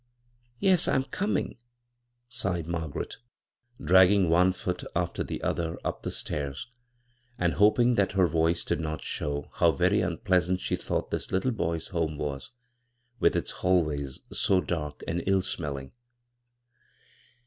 " Yes, I'm coming," sighed Margaret, dragging one foot after the other up the b, Google CROSS CURRENTS stairs, and hoping that her voice did not show bow very unpleasant she thought this little boy's home was, with its hallways so dark and ill smelling.